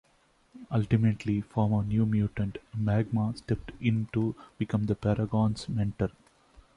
Ultimately, former New Mutant, Magma stepped in to become the Paragons' mentor.